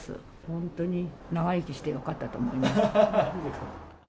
本当に長生きしてよかったと思います。